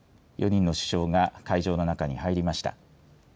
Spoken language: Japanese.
４人の首相が会場の中に入りました。